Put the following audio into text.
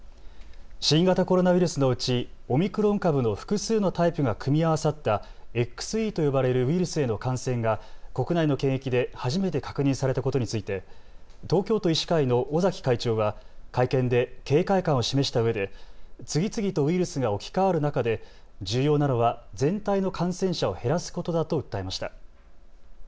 新型コロナウイルスのうちオミクロン株の複数のタイプが組み合わさったＸＥと呼ばれるウイルスへの感染が国内の検疫で初めて確認されたことについて東京都医師会の尾崎会長は会見で警戒感を示したうえで次々とウイルスが置き換わる中で重要なのは全体の感染者を減らすことだと訴えました。